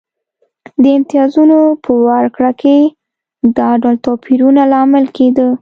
د امتیازونو په ورکړه کې دا ډول توپیرونه لامل کېده.